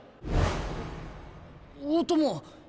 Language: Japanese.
大友。